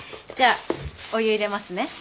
じゃあお湯入れますね。